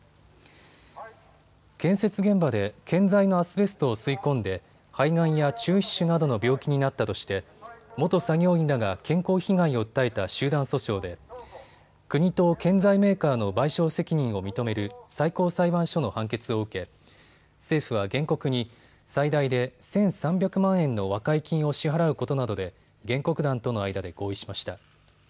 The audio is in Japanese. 建設現場で建材のアスベストを吸い込んで肺がんや中皮腫などの病気になったとして元作業員らが健康被害を訴えた集団訴訟で国と建材メーカーの賠償責任を認める最高裁判所の判決を受け政府は原告に最大で１３００万円の和解金を支払うことなどで原告団との間で合意しました。